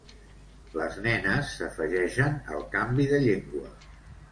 Les nenes s'afegeixen al canvi de llengua.